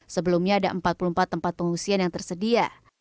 sebelumnya ada empat puluh empat tempat pengungsian yang tersedia